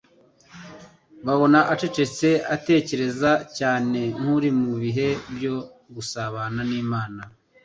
Babona acecetse, atekereza cyane, nk’uri mu bihe byo gusabana n’Imana